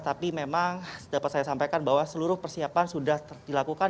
tapi memang dapat saya sampaikan bahwa seluruh persiapan sudah dilakukan